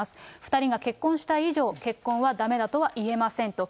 ２人が結婚したい以上、結婚はだめだとは言えませんと。